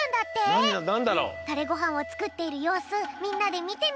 タレごはんをつくっているようすみんなでみてみよう！